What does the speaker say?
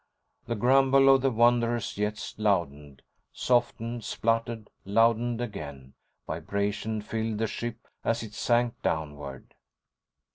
_" The grumble of the Wanderer's jets loudened, softened, spluttered, loudened again. Vibration filled the ship as it sank downward.